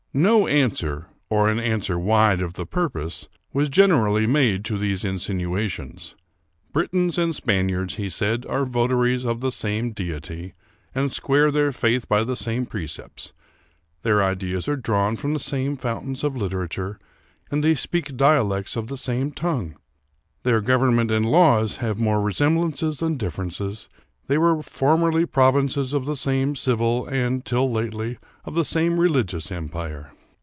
No answer, or an answer wide of the purpose, was gen erally made to these insinuations. Britons and Spaniards, he said, are votaries of the same Deity, and square their faith by the same precepts ; their ideas are drawn from the same fountains of literature, and they speak dialects of the same tongue ; their government and laws have more resem blances than differences ; they were formerly provinces of the same civil, and, till lately, of the same religious, empire.